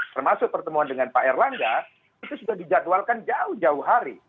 termasuk pertemuan dengan pak erlangga itu sudah dijadwalkan jauh jauh hari